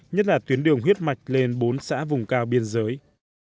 nhất là tuyến đường huyết mạch lên bốn xã vùng cao biên giới